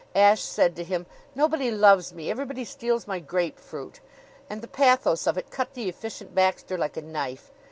Ashe said to him: "Nobody loves me. Everybody steals my grapefruit!" And the pathos of it cut the Efficient Baxter like a knife.